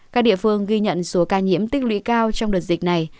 các địa phương ghi nhận số ca nhiễm tích lũy cao trong đợt dịch này